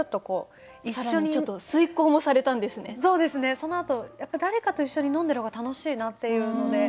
そのあとやっぱ誰かと一緒に飲んでる方が楽しいなっていうので。